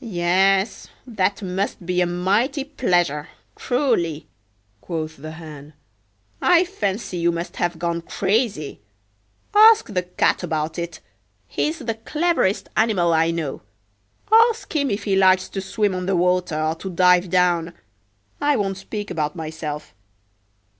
"Yes, that must be a mighty pleasure, truly," quoth the Hen. "I fancy you must have gone crazy. Ask the Cat about it,—he's the cleverest animal I know,—ask him if he likes to swim on the water, or to dive down: I won't speak about myself.